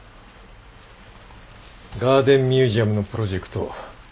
ガーデンミュージアムのプロジェクト